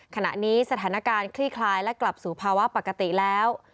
ขณะนี้สถานการณ์คลี่คลายและกลับสู่ภาวะปกติแล้ว